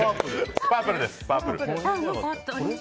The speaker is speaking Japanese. パープルです。